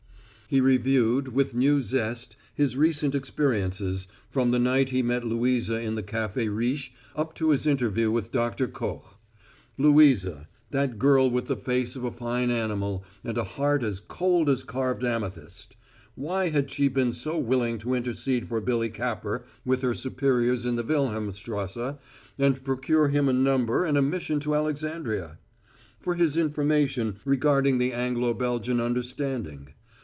He reviewed, with new zest, his recent experiences, from the night he met Louisa in the Café Riche up to his interview with Doctor Koch. Louisa that girl with the face of a fine animal and a heart as cold as carved amethyst; why had she been so willing to intercede for Billy Capper with her superiors in the Wilhelmstrasse and procure him a number and a mission to Alexandria? For his information regarding the Anglo Belgian understanding?